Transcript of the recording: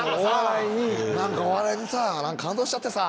「なんかお笑いにさ感動しちゃってさー」。